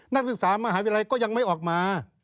นักศึกษามหาวิทยาลัยก็ยังไม่ออกมา